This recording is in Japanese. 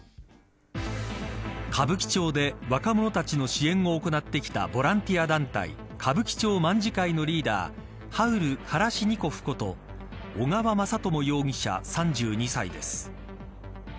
歌舞伎町で若者たちの支援を行ってきたボランティア団体歌舞伎町卍会のリーダーハウル・カラシニコフこと小川雅朝容疑者、３２歳です。